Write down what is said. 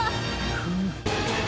フム。